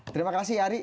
terima kasih ari